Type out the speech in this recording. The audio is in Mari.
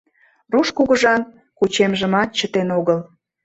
Руш кугыжан кучемжымат чытен огыл.